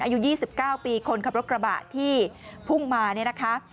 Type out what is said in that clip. อายุ๒๙ปีคนขับรถกระบะที่พุ่งมาเนี่ยนะคะ